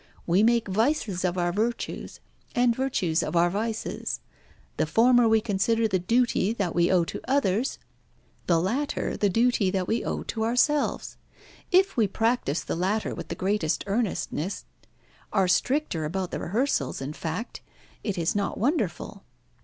We make vices of our virtues, and virtues of our vices. The former we consider the duty that we owe to others, the latter the duty that we owe to ourselves. If we practise the latter with the greatest earnestness, are stricter about the rehearsals, in fact, it is not wonderful."